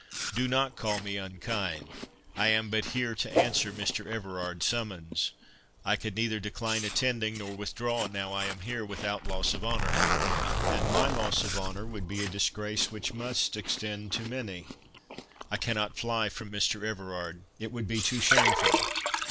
Do not call me unkind; I am but here to answer Mr. Everard's summons. I could neither decline attending, nor withdraw now I am here, without loss of honour; and my loss of honour would be a disgrace which must extend to many—I cannot fly from Mr. Everard—it would be too shameful.